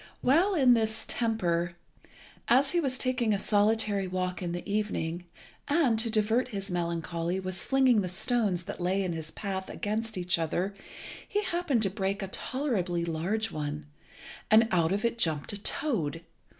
While in this temper, as he was taking a solitary walk in the evening, and, to divert his melancholy, was flinging the stones that lay in his path against each other, he happened to break a tolerably large one, and out of it jumped a toad.